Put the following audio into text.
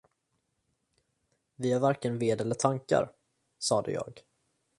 Vi har varken ved eller tankar! sade jag.